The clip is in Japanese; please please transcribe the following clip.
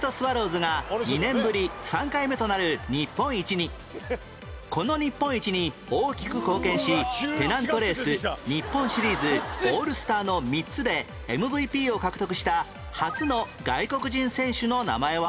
２７年前この日本一に大きく貢献しペナントレース日本シリーズオールスターの３つで ＭＶＰ を獲得した初の外国人選手の名前は？